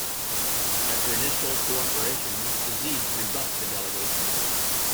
After initial cooperation, Aziz rebuffed the delegations.